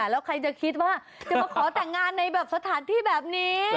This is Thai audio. แล้วใครจะคิดว่าจะมาขอแต่งงานในแบบสถานที่แบบนี้